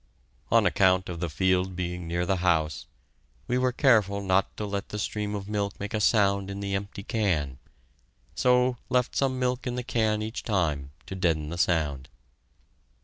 On account of the field being near the house, we were careful not to let the stream of milk make a sound in the empty can, so left some milk in the can each time, to deaden the sound.